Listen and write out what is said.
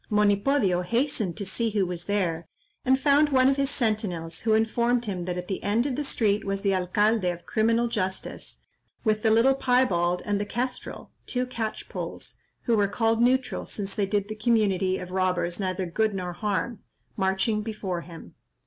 Monipodio hastened to see who was there, and found one of his sentinels, who informed him that at the end of the street was the alcalde of criminal justice, with the little Piebald and the Kestrel (two catchpolls, who were called neutral, since they did the community of robbers neither good nor harm), marching before him.